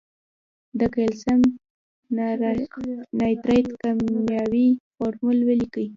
د کلسیم نایتریت کیمیاوي فورمول ولیکئ.